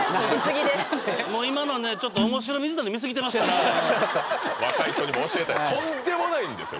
今のねちょっとおもしろ水谷見過ぎてますから若い人にも教えたいとんでもないんですよ